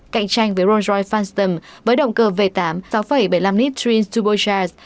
cạnh tranh với rolls royce phantom với động cơ v tám sáu bảy mươi năm litre turbocharged